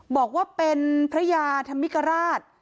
บอกว่าเป็นพระยาธรรมิกราช